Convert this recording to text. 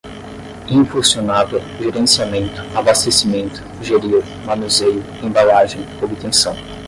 impulsionada, gerenciamento, abastecimento, gerir, manuseio, embalagem, obtenção